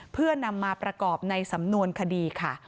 เพื่อนำมาประกอบในสำนวนคดีค่ะ